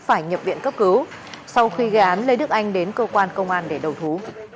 phải nhập viện cấp cứu sau khi gãn lê đức anh đến cơ quan công an để đầu thú